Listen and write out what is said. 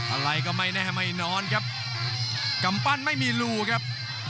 อะไรก็ไม่แน่เหมือนไงนอนครับกำฟันไม่มีรูครับ